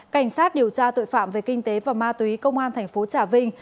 cảnh sát điều tra tội phạm về kinh tế và ma túy công an tp trà vinh